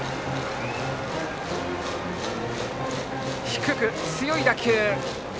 低く強い打球。